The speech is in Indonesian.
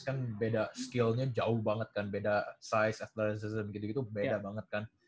kan beda skillnya jauh banget kan beda size advism gitu gitu beda banget kan